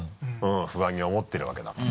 不安に思ってるわけだから。